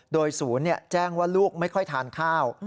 โดยศูนย์แจ้งว่าลูกไม่ค่อยทานข้าว